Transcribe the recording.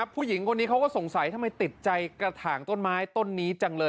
ผู้หญิงคนนี้เขาก็สงสัยทำไมติดใจกระถางต้นไม้ต้นนี้จังเลย